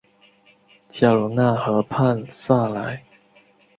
加罗讷河畔萨莱。